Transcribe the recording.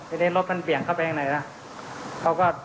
ทีนี้รถมันเปลี่ยนเข้าไปทางไหนล่ะ